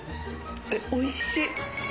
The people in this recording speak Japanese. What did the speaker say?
おいしい！